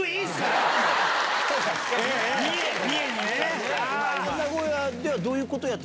三重にね！